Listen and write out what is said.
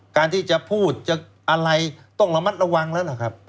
การที่จะพูดจะอะไรต้องระมัดระวังแล้วล่ะครับ